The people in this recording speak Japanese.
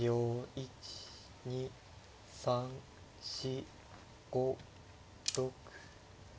１２３４５６。